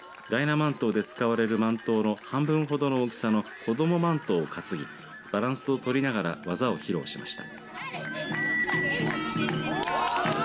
万灯で使われる万灯の半分ほどの大きさの子ども万灯を担ぎバランスを取りながら技を披露しました。